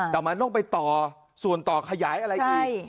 แต่มันต้องไปต่อส่วนต่อขยายอะไรอีก